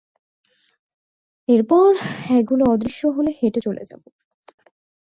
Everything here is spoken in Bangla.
এরপর, এগুলো অদৃশ্য হলে হেঁটে চলে যাবো।